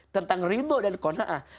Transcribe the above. tentang ridho dan kona'ah